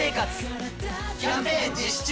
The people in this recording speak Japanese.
キャンペーン実施中！